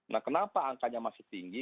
nah kenapa angkanya masih tinggi